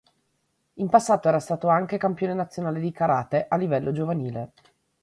In passato era stato anche campione nazionale di karate a livello giovanile.